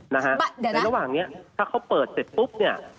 นะฮะเดี๋ยวนะในระหว่างเนี้ยถ้าเขาเปิดเสร็จปุ๊บเนี้ย